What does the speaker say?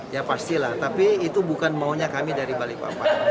ya pastilah tapi itu bukan maunya kami dari balikpapan